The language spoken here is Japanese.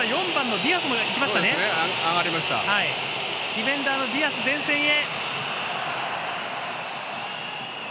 ディフェンダーのディアス前線へ！